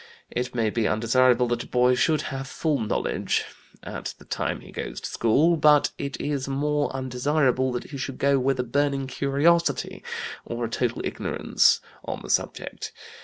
It may be undesirable that a boy should have full knowledge, at the time he goes to school, but it is more undesirable that he should go with a burning curiosity, or a total ignorance on the subject.